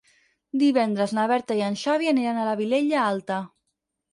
Divendres na Berta i en Xavi aniran a la Vilella Alta.